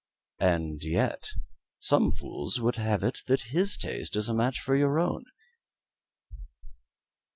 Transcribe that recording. "And yet some fools will have it that his taste is a match for your own."